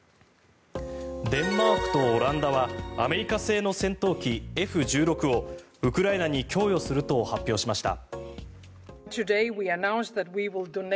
デンマークとオランダはアメリカ製の戦闘機Ｆ１６をウクライナに供与すると発表しました。